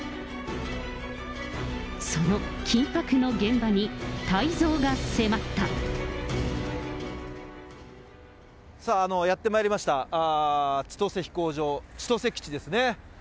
その緊迫の現場に、さあ、やってまいりました、千歳飛行場、千歳基地ですね。